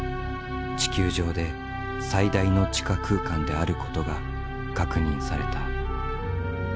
地球上で最大の地下空間であることが確認された。